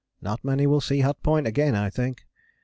Not many will see Hut Point again, I think.